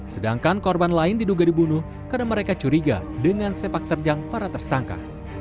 sedangkan korban lain diduga dibunuh karena mereka curiga dengan sepak terjang para tersangka